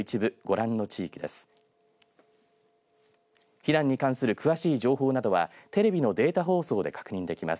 避難に関する詳しい情報などはテレビのデータ放送で確認できます。